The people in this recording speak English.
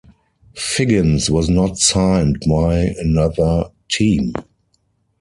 Figgins was not signed by another team.